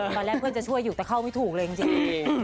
ตอนแรกเพื่อนจะช่วยอยู่แต่เข้าไม่ถูกเลยจริง